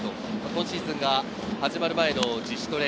今シーズンが始まる前の自主トレ。